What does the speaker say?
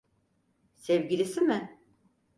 Sevgilisi mi?